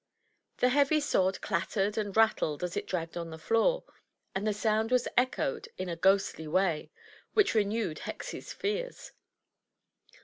The heavy sword clattered and rattled as it dragged on the floor, and the sound was echoed in a ghostly way, which renewed Hexie's fears.